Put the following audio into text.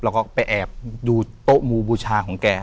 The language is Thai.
เราก็ไปแอบดูโต๊ะหมู่บูชาของแก